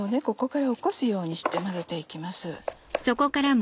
ここから起こすようにして混ぜて行きます。